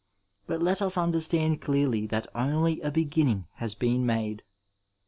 But let us understand cfearly that only a beginning has been made.